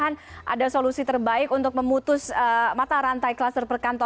pada perusahaan begitu mbak